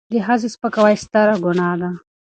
د ښځې سپکاوی ستره ګناه ده.